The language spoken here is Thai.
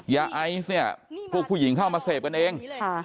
ยาไอซ์เนี่ยพวกผู้หญิงเข้ามาเสพกันเอง